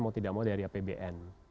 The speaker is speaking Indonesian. mau tidak mau dari apbn